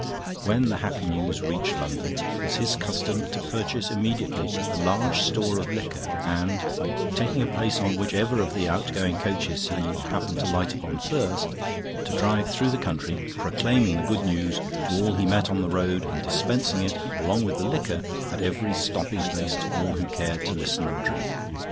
When the happy news reached London, it was his custom to purchase immediately a large store of liquor and, taking a place on whichever of the outgoing coaches he happened to light on first, to drive through the country proclaiming the good news to all he met on the road and dispensing it, along with the liquor, at every stopping place to all who cared to listen or drink.